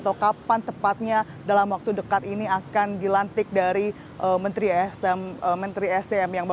atau kapan tepatnya dalam waktu dekat ini akan dilantik dari menteri sdm